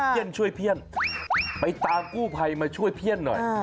ช่วยเพี้ยนไปตามกู้ภัยมาช่วยเพี้ยนหน่อย